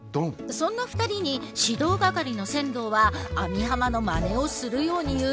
そんな２人に指導係の千堂は網浜のまねをするように言う。